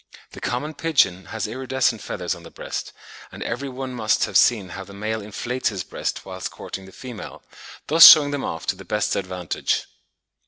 The common pigeon has iridescent feathers on the breast, and every one must have seen how the male inflates his breast whilst courting the female, thus shewing them off to the best advantage.